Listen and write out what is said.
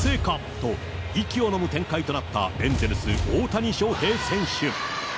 と息をのむ展開となったエンゼルス、大谷翔平選手。